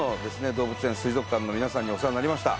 動物園水族館の皆さんにお世話になりました